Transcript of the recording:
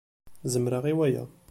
Zemreɣ i waya.